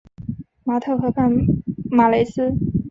马特河畔马雷斯。